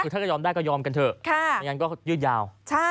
ถ้ายอมได้ก็ยอมกันเถอะอย่างนั้นก็ยืดยาว